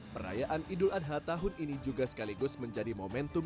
perayaan idul adha tahun ini juga sekaligus menjadi momentum